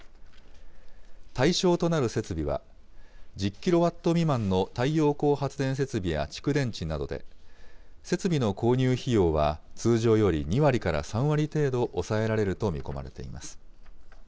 対象となる設備は、１０キロワット未満の太陽光発電設備や蓄電池などで、設備の購入費用は、通常より２割から３割程度抑えられると見込まれています。